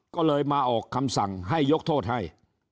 ก็เลยมาออกคำสั่งให้ยกโทษให้